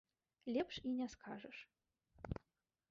Лепш і не скажаш.